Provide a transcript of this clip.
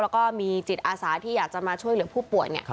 แล้วก็มีจิตอาสาที่อยากจะมาช่วยเหลือผู้ป่วย